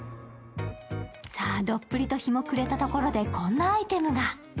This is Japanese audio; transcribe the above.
どっぷりと日も暮れたところで、こんなアイテムが。